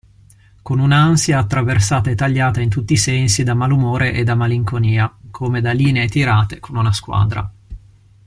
Con un'ansia attraversata e tagliata in tutti i sensi da malumore e da malinconia, come da linee tirate con una squadra.